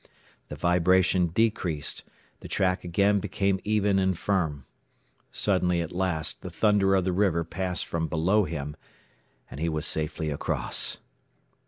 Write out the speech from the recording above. The vibration decreased, the track again became even and firm. Suddenly at last the thunder of the river passed from below him, and he was safely across.